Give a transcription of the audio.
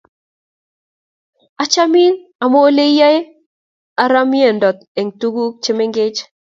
Achomin amin ole iyoni aro myeindo eng' tuk che mengech.